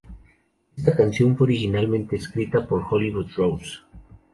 Esta canción fue originalmente escrita por Hollywood Rose.